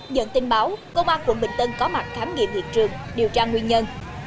nhận tin báo công an quận bình tân có mặt khám nghiệm hiện trường điều tra nguyên nhân